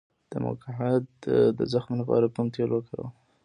د مقعد د زخم لپاره کوم تېل وکاروم؟